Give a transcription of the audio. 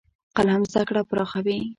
قلم زده کړه پراخوي.